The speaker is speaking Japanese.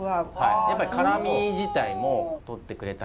やっぱり辛み自体も取ってくれたりもありますし。